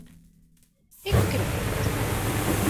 Ik begryp it net.